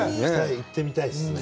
行ってみたいですね。